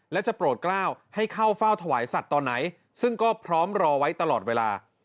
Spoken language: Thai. และจะโปรดกล้าวให้เข้าเฝ้าถวายสัตว์ตอนไหนซึ่งก็พร้อมรอไว้ตลอดเวลา